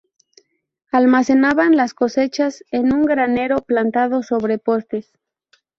Almacenaban las cosechas en un granero plantado sobre postes.